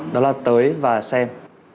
đó là tới và xem